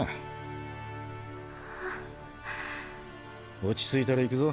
落ち着いたら行くぞ。